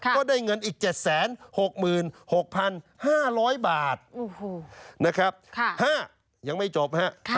ก็ได้เงินอีก๗๖๖๕๐๐บาทนะครับ๕ยังไม่จบฮะ